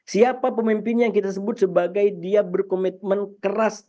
siapa pemimpin yang kita sebut sebagai dia berkomitmen keras